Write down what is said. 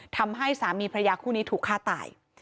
ทำให้สามีพระยาคู่นี้ถูกฆ่าตาย